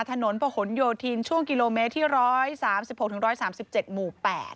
ถนนประหลโยธินช่วงกิโลเมตรที่๑๓๖๑๓๗หมู่๘